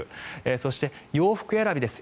そして、洋服選びです。